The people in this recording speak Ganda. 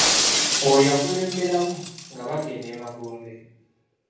Oyo y'akulemberamu nga bagenda e magombe.